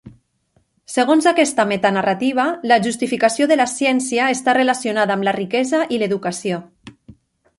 Segons aquesta meta-narrativa, la justificació de la ciència està relacionada amb la riquesa i l'educació.